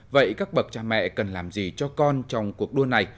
vậy các bậc cha mẹ cần làm gì cho con trong cuộc đua này